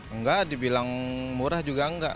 enggak dibilang murah juga enggak